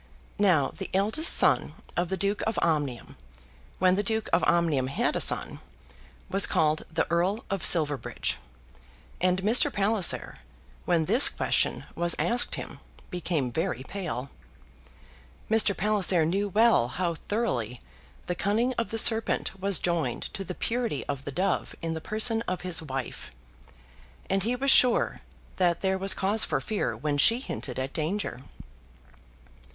Now the eldest son of the Duke of Omnium, when the Duke of Omnium had a son, was called the Earl of Silverbridge; and Mr. Palliser, when this question was asked him, became very pale. Mr. Palliser knew well how thoroughly the cunning of the serpent was joined to the purity of the dove in the person of his wife, and he was sure that there was cause for fear when she hinted at danger.